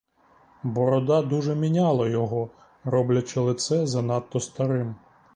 Борода дуже міняла його, роблячи лице занадто старим.